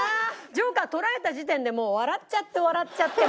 ジョーカー取られた時点でもう笑っちゃって笑っちゃって。